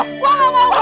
gue gak mau